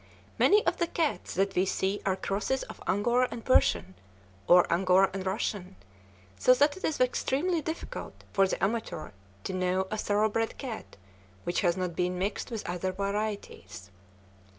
Many of the cats that we see are crosses of Angora and Persian, or Angora and Russian, so that it is extremely difficult for the amateur to know a thoroughbred cat which has not been mixed with other varieties.